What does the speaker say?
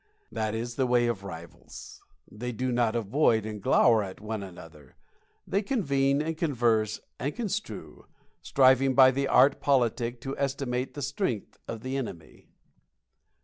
That is the way of rivals they do not avoid and glower at one another; they convene and converse and construe striving by the art politic to estimate the strength of the enemy.